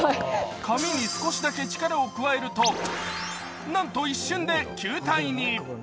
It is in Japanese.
紙に少しだけ力を加えるとなんと一瞬で球体に。